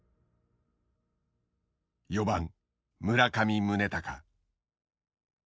４番村上宗隆。